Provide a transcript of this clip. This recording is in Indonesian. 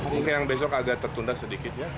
mungkin yang besok agak tertunda sedikit ya